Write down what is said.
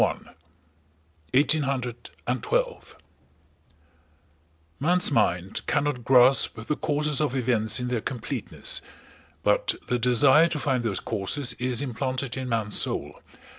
BOOK THIRTEEN: 1812 CHAPTER I Man's mind cannot grasp the causes of events in their completeness, but the desire to find those causes is implanted in man's soul.